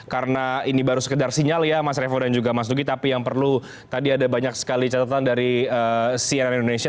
karena ini baru sekedar sinyal ya mas revo dan juga mas nugi tapi yang perlu tadi ada banyak sekali catatan dari cnn indonesia